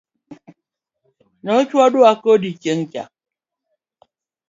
Nochwadwa kodi chieng cha.